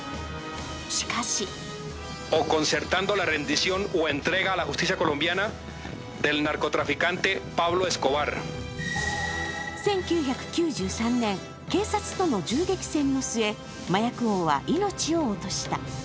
しかし１９９３年、警察との銃撃戦の末麻薬王は命を落とした。